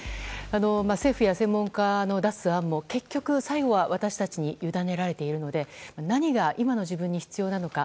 政府や専門家の出す案も結局、最後は私たちにゆだねられているので何が今の自分に必要なのか。